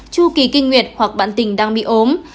chu kỳ kinh nguyệt hoặc bạn tình đang bị ốm